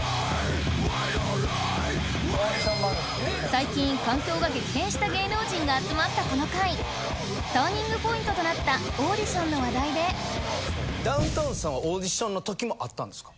最近環境が激変した芸能人が集まったこの回ターニングポイントとなったダウンタウンさんはオーディションの時もあったんですか？